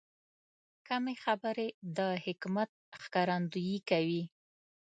کمې خبرې، د حکمت ښکارندویي کوي.